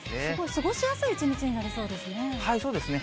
過ごしやすい一日になりそうそうですね。